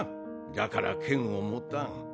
だから剣を持たん。